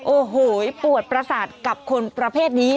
โอ้โหปวดประสาทกับคนประเภทนี้